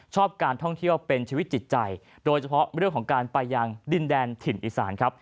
การท่องเที่ยวเป็นชีวิตจิตใจโดยเฉพาะเรื่องของการไปยังดินแดนถิ่นอีสานครับ